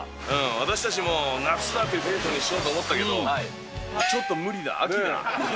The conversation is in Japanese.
私たちも夏だってテンションにしようと思ったけど、ちょっと無理だ、秋だ。